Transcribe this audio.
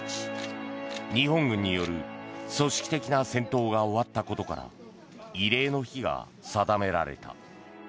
日本軍による組織的な戦闘が終わったことから慰霊の日が定められた。